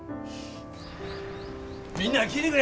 みんな聞いてくれ！